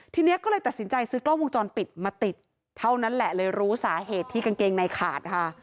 ทีนี้ก็เลยตัดสินใจซื้อกล้องวงจรปิดมาติดเท่านั้นแหละเลยรู้สาเหตุที่กางเกงในขาดค่ะ